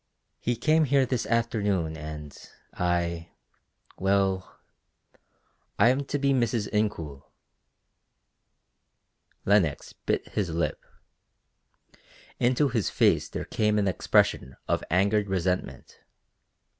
"He came here this afternoon, and I well I am to be Mrs. Incoul." Lenox bit his lip. Into his face there came an expression of angered resentment.